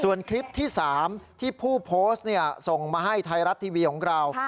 ส่วนคลิปที่๓ที่ผู้โพสต์ส่งมาให้ไทยรัฐทีวีของเรา